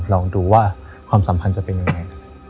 ลองดูว่าความสัมพันธ์จะเป็นยังไง